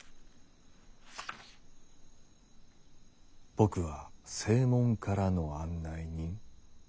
「僕は正門からの案内人」。